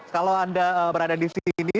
kalau anda berada di sini